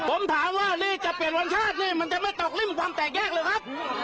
ผมถามว่านี่จะเปลี่ยนวันชาตินี่มันจะไม่ตกริ่มความแตกแยกเลยครับ